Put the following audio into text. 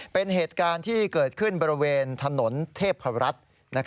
เป็นเหตุการณ์ที่เกิดขึ้นบริเวณถนนเทพรัฐ